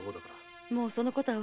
もうその事は。